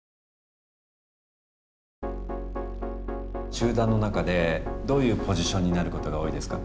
集団の中でどういうポジションになることが多いですか？